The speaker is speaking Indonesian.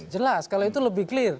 oh jelas jelas kalau itu lebih clear